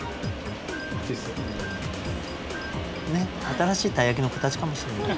新しい鯛焼の形かもしれない。